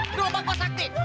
itu lupa aku sakti